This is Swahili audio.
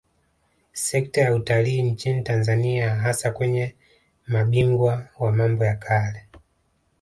Sekta ya Utalii nchini Tanzania hasa kwenye mabingwa wa mambo ya kale